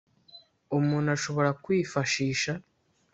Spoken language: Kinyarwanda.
umuntu ashobora kwifashisha